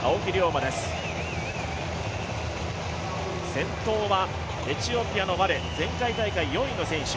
先頭はエチオピアのワレ、前回大会４位の選手。